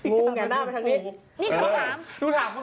งูแหง่หน้าไปทางนี้